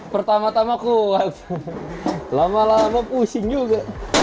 pertama tama kuat lama lama pusing juga